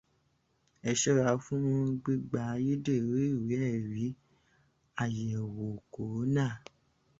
Ẹ ṣọ́ra fún gbígba ayédèrú ìwé ẹ̀rí àyẹ̀wò Kòrónà.